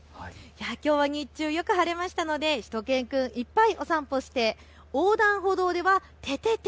きょうは日中よく晴れましたのでしゅと犬くん、いっぱいお散歩をして横断歩道ではててて！